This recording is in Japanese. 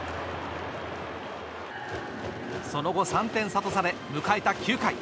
その後、３点差とされ迎えた９回。